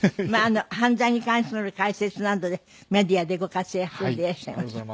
犯罪に関する解説などでメディアでご活躍でいらっしゃいます。